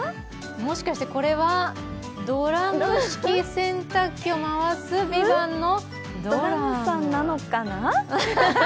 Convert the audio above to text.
もしかしてこれは、ドラム式洗濯機を回すドラムさんなのかな？